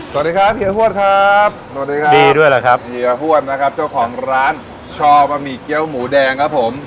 สวัสดีครับเฮียหวดครับสวัสดีครับดีด้วยแหละครับเฮียฮวดนะครับเจ้าของร้านช่อบะหมี่เกี้ยวหมูแดงครับผม